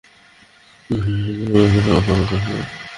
আপনার ভাই আবু তালেবের সন্তান সন্ততি অনেক।